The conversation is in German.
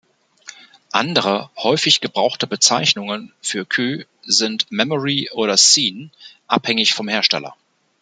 Andere häufig gebrauchte Bezeichnungen für Cue sind „Memory“ oder „Scene“, abhängig vom Hersteller.